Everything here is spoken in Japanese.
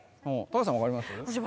橋さん分かります？